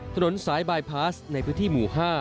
ถนนสายบายพาสในพื้นที่หมู่๕